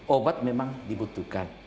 obat memang dibutuhkan